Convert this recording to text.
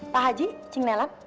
pak haji cing nelan